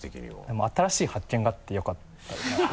でも新しい発見があってよかったなって。